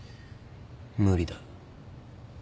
無理だ。